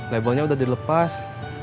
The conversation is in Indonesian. labelnya udah dilepas